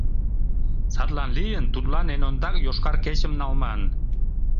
Садлан лийын, тудлан эн ондак «Йошкар кечым» налман.